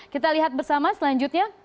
kita lihat bersama selanjutnya